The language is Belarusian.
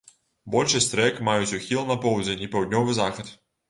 Большасць рэк маюць ухіл на поўдзень і паўднёвы захад.